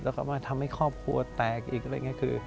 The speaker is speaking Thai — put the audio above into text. แล้วก็มาทำให้ครอบครัวแตกอีก